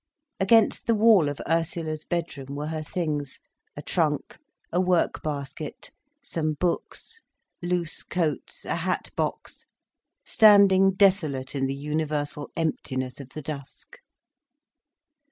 Against the wall of Ursula's bedroom were her things—a trunk, a work basket, some books, loose coats, a hat box, standing desolate in the universal emptiness of the dusk.